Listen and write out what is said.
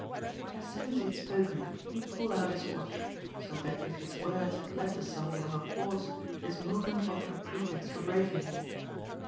As soon as he had spoken he pulled out his watch, so that if his words had led to something of a pause this movement offered a pretext for breaking it.